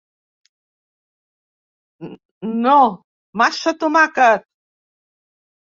No! Massa tomàquet.